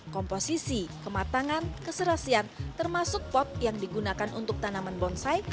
komposisi kematangan keserasian termasuk pot yang digunakan untuk tanaman bonsai